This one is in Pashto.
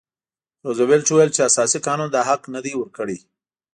روزولټ وویل چې اساسي قانون دا حق نه دی ورکړی.